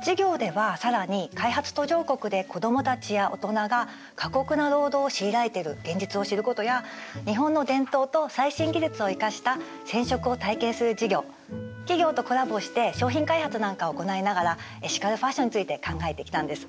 授業では更に開発途上国で子供たちや大人が過酷な労働を強いられている現実を知ることや日本の伝統と最新技術を生かした染色を体験する授業企業とコラボして商品開発なんかを行いながらエシカルファッションについて考えてきたんです。